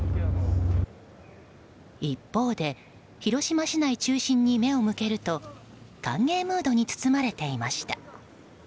一方で広島市内中心に目を向けると歓迎ムードに包まれていました。